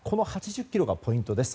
この８０ｋｍがポイントです。